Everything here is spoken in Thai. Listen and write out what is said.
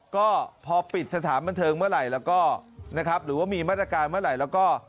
ก็พอปิดสถานบันเทิงเมื่อไหร่แล้วก็นะครับหรือว่ามีมาตรการเมื่อไหร่แล้วก็